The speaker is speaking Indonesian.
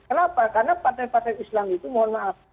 kenapa karena partai partai islam itu mohon maaf